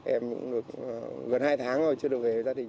em cũng được gần hai tháng rồi chưa được về gia đình